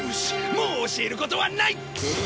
もう教えることはない！